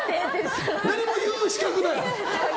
誰も言う資格ない！